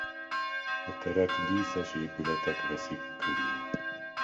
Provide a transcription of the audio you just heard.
A teret díszes épületek veszik körül.